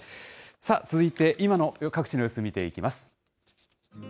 続いて、今の各地の様子を見ていきます。